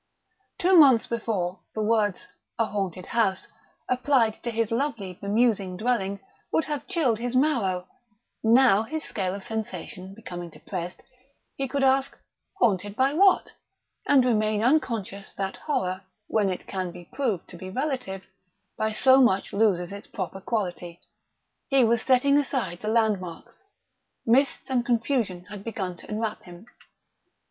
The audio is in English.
Two months before, the words "a haunted house," applied to his lovely bemusing dwelling, would have chilled his marrow; now, his scale of sensation becoming depressed, he could ask "Haunted by what?" and remain unconscious that horror, when it can be proved to be relative, by so much loses its proper quality. He was setting aside the landmarks. Mists and confusion had begun to enwrap him.